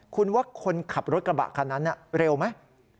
คุณว่าคนขับรถกระบะคันนั้นเร็วไหม